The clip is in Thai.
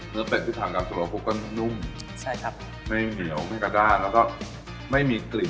เป็ดที่ทำกับโซโลฟุกก็นุ่มใช่ครับไม่เหนียวไม่กระด้านแล้วก็ไม่มีกลิ่น